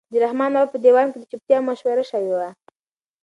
د رحمان بابا په دیوان کې د چوپتیا مشوره شوې وه.